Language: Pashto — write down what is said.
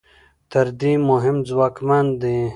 تر دې هم ځواکمن دي.